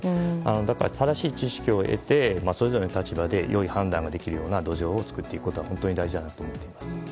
だから正しい知識を得てそれぞれの立場でいい判断ができる土壌を作ることは大事だと思います。